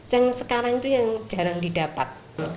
yang sekarang itu yang jarang didapat